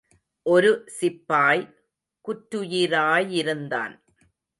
ஒரு சிப்பாய் குற்றுயிராயிருந்தான்.